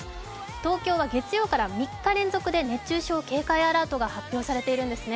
東京は月曜日から３日連続で熱中症警戒アラートが発表されているんですね。